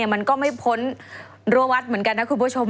มันก็ไม่พ้นรัววัดเหมือนกันนะคุณผู้ชม